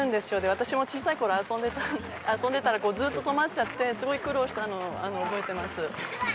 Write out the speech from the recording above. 私も小さいころ遊んでいたらずっと、とまっちゃってすごい苦労したのを覚えています。